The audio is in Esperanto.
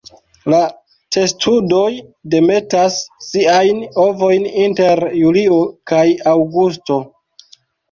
La testudoj demetas siajn ovojn inter julio kaj aŭgusto.